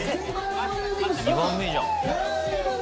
２番目じゃん。